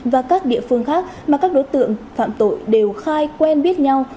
và các địa phương khác mà các đối tượng phạm tội đều khai quen biết nhau